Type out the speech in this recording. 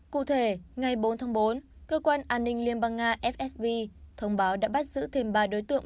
cụ thể ngày bốn tháng bốn cơ quan an ninh liên bang nga fsb thông báo đã bắt giữ thêm ba đối tượng